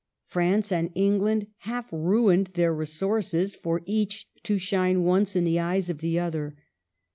France and England half ruined their resources for each to shine once in the eyes of the other.